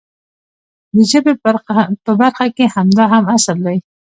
د ژبې په برخه کې هم همدا اصل دی.